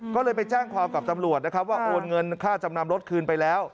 ก็เลยไปแจ้งความกับตำรวจนะครับว่าโอนเงินค่าจำนำรถคืนไปแล้ว